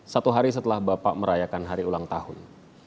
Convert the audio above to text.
satu hari setelah bapak merayakan hari ulang tahun